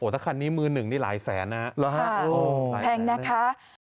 ถ้าคันนี้มือหนึ่งนี่หลายแสนนะแพงนะคะ